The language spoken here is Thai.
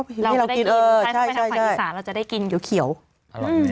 เข้าไปให้เรากินเออใช่ใช่ใช่เราจะได้กินเขียวเขียวอืม